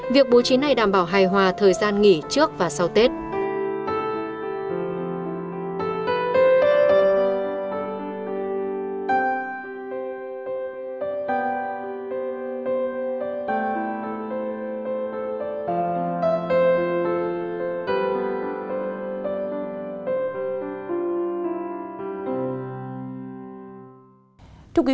việc bố trí này đảm bảo hài hòa thời gian nghỉ trước và sau tết